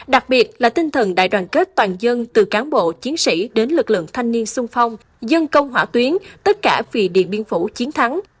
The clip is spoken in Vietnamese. đặc biệt là tinh thần đại đoàn kết toàn dân từ cán bộ chiến sĩ đến lực lượng thanh niên sung phong dân công hỏa tuyến tất cả vì điện biên phủ chiến thắng